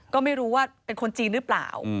ก็ไม่รู้ว่าเป็นคนจีนหรือเปล่า